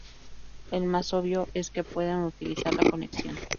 El más obvio es que pueden utilizar la conexión.